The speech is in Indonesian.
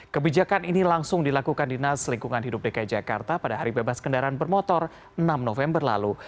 kebijakan ini langsung dilakukan dinas lingkungan hidup dki jakarta pada hari bebas kendaraan bermotor enam november lalu